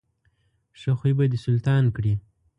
ښه خوی به دې سلطان کړي.